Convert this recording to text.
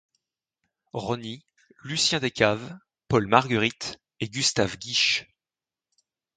Rosny, Lucien Descaves, Paul Margueritte et Gustave Guiches.